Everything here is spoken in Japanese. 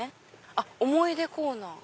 あっ「思い出コーナー」。